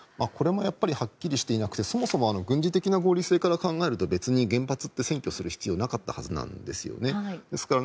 これもはっきりしていなくてそもそも軍事的な合理性から考えると原発って占拠する必要がなかったはずなんです。